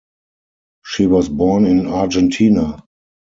She was born in Argentina.